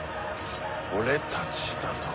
「俺たち」だと？